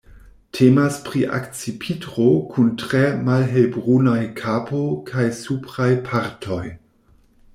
Temas pri akcipitro kun tre malhelbrunaj kapo kaj supraj partoj.